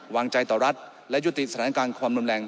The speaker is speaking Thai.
วางใจต่อรัฐและยุติสถานการณ์ความรุนแรง